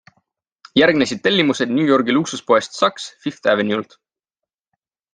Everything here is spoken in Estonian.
Järgnesid tellimused New Yorgi luksuspoest Saks Fifth Avenuelt.